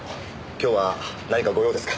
今日は何かご用ですか？